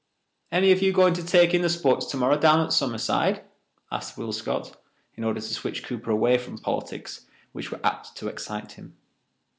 "Any of you going to take in the sports tomorrow down at Summerside?" asked Will Scott, in order to switch Cooper away from politics, which were apt to excite him.